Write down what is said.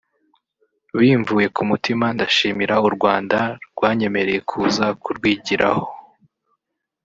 bimvuye ku mutima ndashimira u Rwanda rwanyemereye kuza kurwigiraho